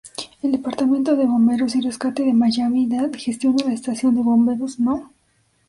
El Departamento de Bomberos y Rescate de Miami-Dade gestiona la Estación de Bomberos No.